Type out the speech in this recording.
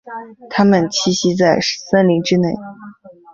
它们栖息在森林之内。